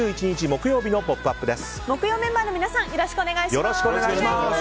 木曜メンバーの皆さんよろしくお願いします。